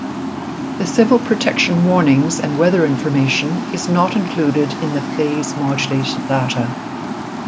The civil protection warnings and weather information is not included in the phase-modulated data.